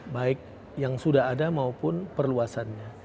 baik yang sudah ada maupun perluasannya